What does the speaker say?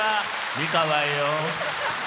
美川よ。